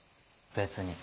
別に。